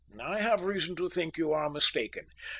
"I have reason to think you are mistaken."